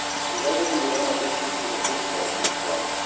Mireu de combinar el mateix tipus de fusta, siusplau.